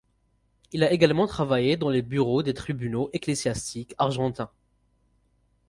Il a également travaillé dans les bureaux des tribunaux ecclésiastiques argentins.